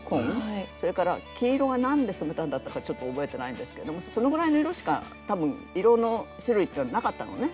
それから黄色が何で染めたんだったかちょっと覚えてないんですけどもそのぐらいの色しか多分色の種類っていうのはなかったのね。